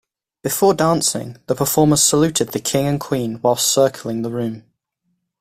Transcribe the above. Before dancing, the performers saluted the King and Queen whilst circling the room.